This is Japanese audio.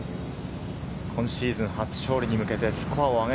今シーズン初勝利に向けて、スコアを上